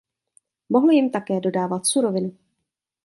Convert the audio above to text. Mohl jim také dodávat surovinu.